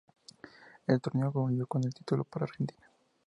El torneo concluyó con el título para Argentina.